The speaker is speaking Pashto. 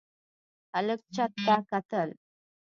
هلک چت ته کتل.